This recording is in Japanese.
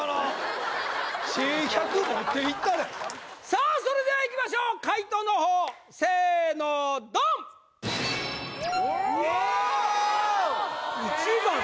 さあそれではいきましょう解答のほうせーのどん・